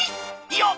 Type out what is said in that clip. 「よっ！